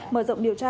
mở rộng điều tra